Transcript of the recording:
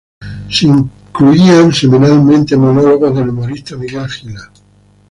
Se incluían semanalmente monólogos del humorista Miguel Gila.